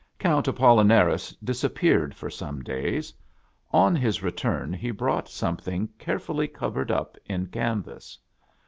Count Apollinaris disappeared for some days. On his return he brought something carefully covered up in canvas.